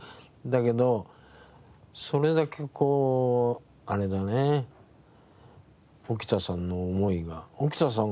だけどそれだけこうあれだね沖田さんの思いが沖田さん